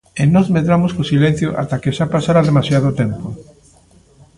E nós medramos co silencio ata que xa pasara demasiado tempo.